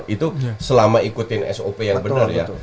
itu selama ikutin sop yang benar ya